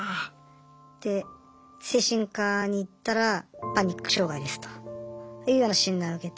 で精神科に行ったらパニック障害ですというような診断受けて。